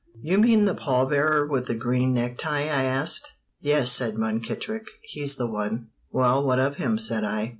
"You mean the pall bearer with the green necktie?" I asked. "Yes," said Munkittrick, "he's the one." "Well what of him?" said I.